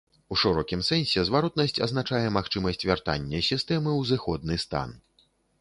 У шырокім сэнсе зваротнасць азначае магчымасць вяртання сістэмы ў зыходны стан.